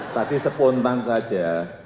tapi sepontan saja